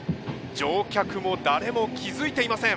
乗客も誰も気づいていません。